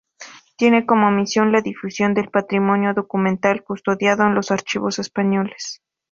Tiene como misión la difusión del patrimonio documental custodiado en los archivos españoles.